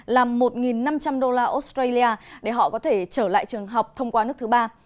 là một năm trăm linh đô la australia để họ có thể trở lại trường học thông qua nước thứ ba